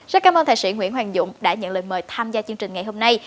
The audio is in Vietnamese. rất cảm ơn thầy sĩ nguyễn hoàng dũng đã nhận lời mời tham gia chương trình ngày hôm nay